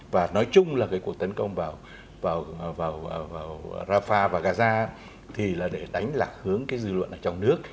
và nói chung là cái cuộc tấn công vào rafah và gaza thì là để đánh lạc hướng cái dư luận ở trong nước